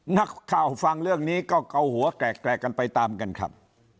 นักข่าวฟังเรื่องนี้ก็เกาหัวแกรกกันไปตามกันครับ